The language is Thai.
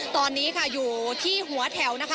ตอนนี้ค่ะอยู่ที่หัวแถวนะคะ